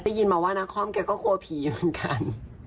ได้ยินมาว่านาคอมแกก็กลัวผีเหมือนกัน